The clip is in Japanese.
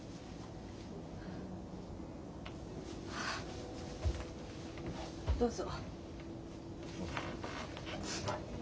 あどうぞ。